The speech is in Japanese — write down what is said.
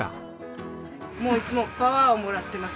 いつもパワーをもらってます。